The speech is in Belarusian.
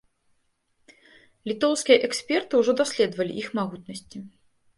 Літоўскія эксперты ўжо даследавалі іх магутнасці.